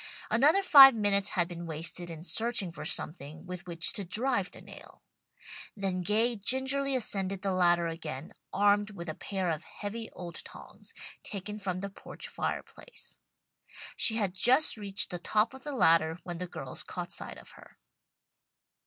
Another five minutes had been wasted in searching for something with which to drive the nail. Then Gay gingerly ascended the ladder again, armed with a pair of heavy old tongs, taken from the porch fireplace. She had just reached the top of the ladder when the girls caught sight of her.